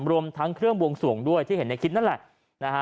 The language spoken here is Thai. รวมทั้งเครื่องบวงสวงด้วยที่เห็นในคลิปนั่นแหละนะฮะ